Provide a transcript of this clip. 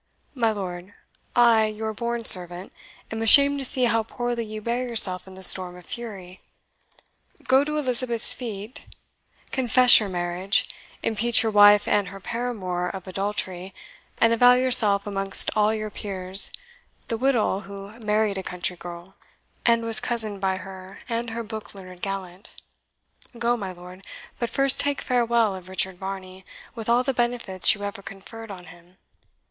My lord, I, your born servant, am ashamed to see how poorly you bear yourself in the storm of fury. Go to Elizabeth's feet, confess your marriage impeach your wife and her paramour of adultery and avow yourself, amongst all your peers, the wittol who married a country girl, and was cozened by her and her book learned gallant. Go, my lord but first take farewell of Richard Varney, with all the benefits you ever conferred on him.